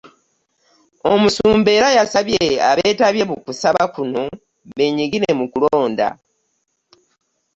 Omusumba era yasabye abeetabye mu kusaba kuno beenyigire mu kulonda